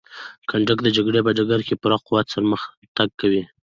کنډک د جګړې په ډګر کې په پوره قوت سره پرمختګ کوي.